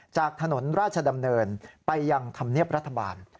จากถนนราชดำเนินไปยังธรรมเนียบรัฐบาล